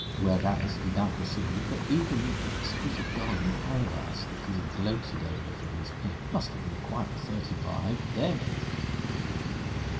Whereas he now perceived that even the exquisite doll in paradise that he had gloated over from his pit must have been quite thirty five then....